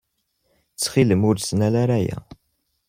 Ttxil-m ur ttnal ara aya.